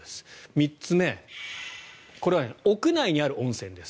３つ目これは屋内にある温泉です。